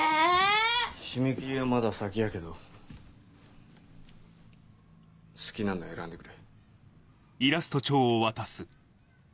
締め切りはまだ先やけど好きなの選んでくれ。